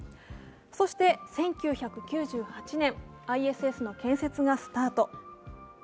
そして１９９８年、ＩＳＳの建設がスタート。